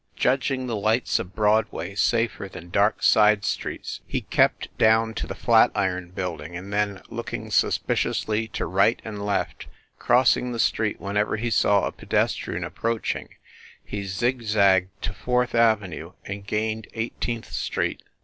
Judging the lights of Broadway safer than dark side streets, he kept down to the Flat iron Building, and then, looking suspiciously to right and left, crossing the street whenever he saw a pedes trian approaching, he zig zagged to Fourth Avenue and gained Eighteenth Street.